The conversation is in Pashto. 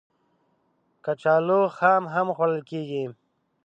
کچالو خام هم خوړل کېږي